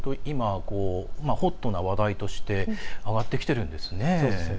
今、ホットな話題として挙がってきているんですね。